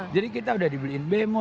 jadi kita udah dibeliin bemo